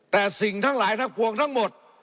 แต่สิ่งทั้งหลายทั้งปวงทั้งหมด